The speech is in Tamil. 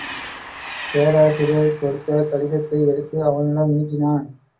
பேராசிரியர் கொடுத்த கடிதத்தை எடுத்து அவனிடம் நீட்டினான்.